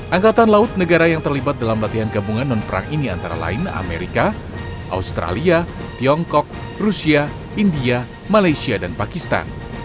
angkatan laut negara yang terlibat dalam latihan gabungan non perang ini antara lain amerika australia tiongkok rusia india malaysia dan pakistan